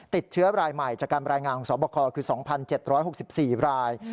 ติดเชื้อรายใหม่จากการรายงานของสอบคอคือ๒๗๖๔ราย